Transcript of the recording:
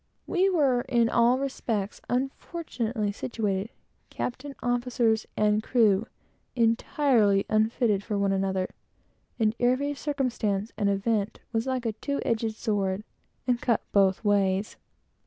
We were in every respect unfortunately situated. Captain, officers, and crew, entirely unfitted for one another; and every circumstance and event was like a two edged sword, and cut both ways.